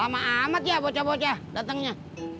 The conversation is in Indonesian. lama amat ya bocah bocah datangnya